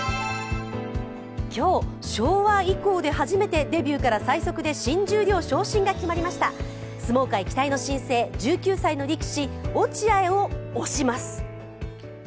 今日、昭和以降で初めてデビューから最速で新十両昇進が決まりました、相撲界期待の新星、１９歳の力士・落合をおします。